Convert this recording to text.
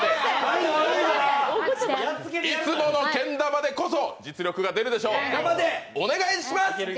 いつものけん玉でこそ実力が出るでしょう。